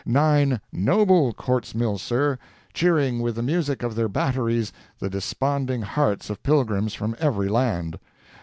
Nine noble quartz mills, sir, cheering with the music of their batteries the desponding hearts of pilgrims from every land!